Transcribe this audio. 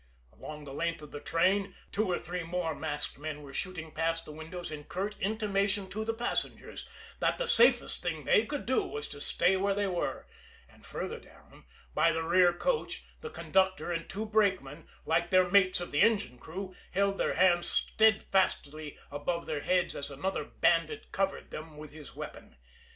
Along the length of the train, two or three more masked men were shooting past the windows in curt intimation to the passengers that the safest thing they could do was to stay where they were; and farther down, by the rear coach, the conductor and two brakemen, like their mates of the engine crew, held their hands steadfastly above their heads as another bandit covered them with his weapon.